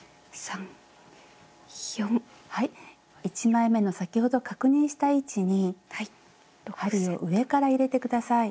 １枚めの先ほど確認した位置に針を上から入れて下さい。